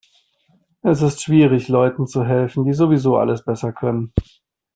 Es ist schwierig, Leuten zu helfen, die sowieso alles besser können.